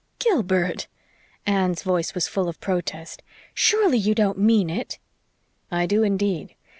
"Gilbert!" Anne's voice was full of protest. "Surely you don't mean it!" "I do, indeed.